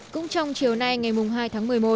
cũng trong chiều nay ngày hai tháng một mươi một